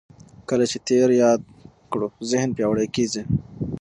کله چې تېر یاد کړو ذهن پیاوړی کېږي.